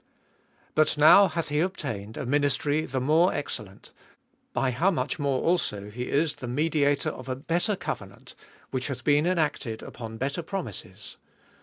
But now hath he obtained a ministry the more excellent, by how much also he Is the mediator of a better covenant, which hath been enacted upon better promises.